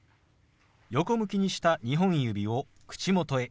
横向きにした２本指を口元へ。